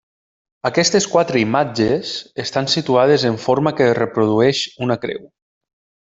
Aquestes quatre imatges estan situades en forma que reprodueix una creu.